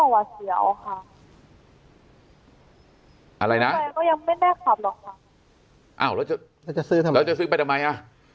วาดเสียวค่ะอะไรนะยังไม่ได้ขับหรอกอ้าวแล้วจะซื้อไปทำไมอ่ะ